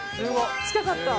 近かった。